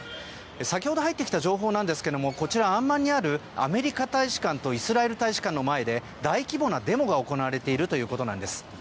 先ほど入ってきた情報なんですがこちらアンマンにあるアメリカ大使館とイスラエル大使館の前で大規模なデモが行われているということです。